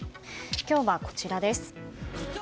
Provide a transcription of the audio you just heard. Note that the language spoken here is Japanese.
今日は、こちらです。